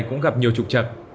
cũng gặp nhiều trục trị